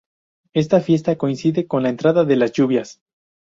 Esta fiesta coincide con la entrada de las lluvias...